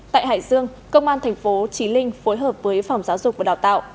tại hải dương công an tp chí linh phối hợp với phòng giáo dục và đào tạo